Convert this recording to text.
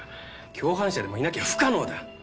共犯者でもいなきゃ不可能だ！